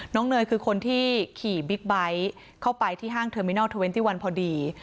เนยคือคนที่ขี่บิ๊กไบท์เข้าไปที่ห้างเทอร์มินอลเทอร์เนตี้วันพอดี